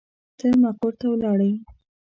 ته مقر ته ولاړې.